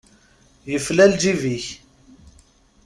Yefla lǧib-ik!